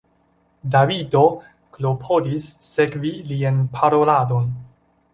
Davido klopodis sekvi lian paroladon.